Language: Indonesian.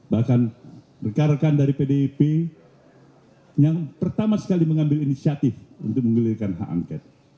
bahkan rekan rekan dari pdip yang pertama sekali mengambil inisiatif untuk menggelirkan hak angket